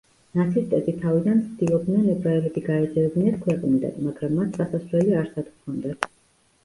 ნაცისტები თავიდან ცდილობდნენ ებრაელები გაეძევებინათ ქვეყნიდან, მაგრამ მათ წასასვლელი არსად ჰქონდათ.